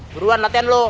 beruan latihan lo